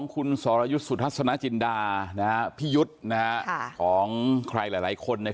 คุณสรยุทธ์สุทัศนจินดาพี่ยุทธ์ของใครหลายคน